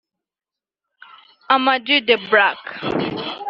Ama-G the Black